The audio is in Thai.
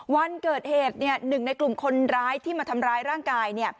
วันเกิดเหตุหนึ่งในกลุ่มคนร้ายที่มาทำร้ายร่างกาย